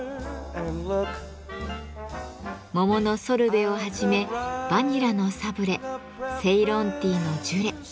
桃のソルベをはじめバニラのサブレセイロンティーのジュレ。